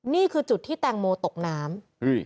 นี่คือจุดที่แตงโมตกน้ำ